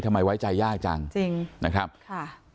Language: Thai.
ไว้ใจยากจังจริงนะครับค่ะ